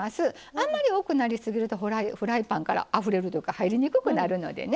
あんまり多くなりすぎるとフライパンからあふれるというか入りにくくなるのでね